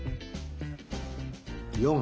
４。